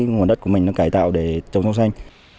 nguồn đất của mình nó cải tạo để trồng rau xanh